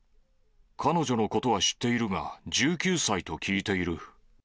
彼女のことは知っているが、１９歳と聞いている。